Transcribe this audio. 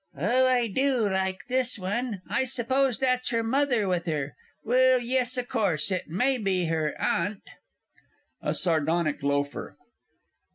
Oh, I do like this one. I s'pose that's her Mother with her well, yes, o' course it may be her Aunt! A SARDONIC LOAFER.